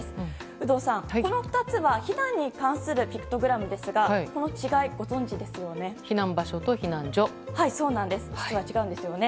有働さん、この２つは避難に関するピクトグラムですがこの違い、ご存じですよね。